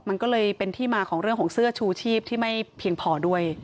มันก็เลยเป็นที่มาของเรื่องของเสื้อชูชีพที่ไม่เพียงพอด้วย